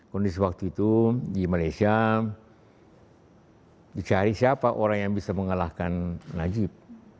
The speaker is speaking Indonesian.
kondisi waktu itu di malaysia dicari siapa orang yang bisa mengalahkan najib